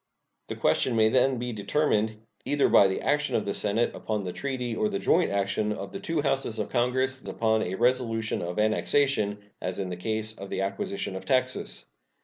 The question may then be determined, either by the action of the Senate upon the treaty or the joint action of the two Houses of Congress upon a resolution of annexation, as in the case of the acquisition of Texas.